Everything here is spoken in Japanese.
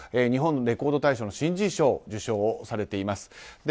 日本レコード大賞の新人賞を受賞されています。